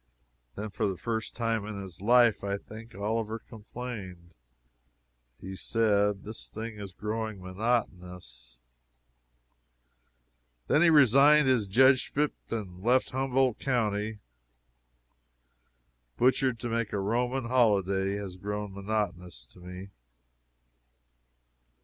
Then, for the first time in his life, I think, Oliver complained. He said, "This thing is growing monotonous!" Then he resigned his judgeship and left Humboldt county. "Butchered to make a Roman holyday" has grown monotonous to me.